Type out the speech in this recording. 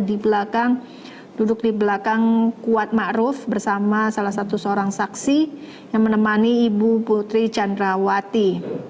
dia di belakang duduk di belakang kuat ma'ruf bersama salah satu seorang saksi yang menemani ibu putri candrawati